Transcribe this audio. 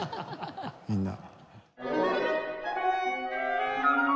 みんな。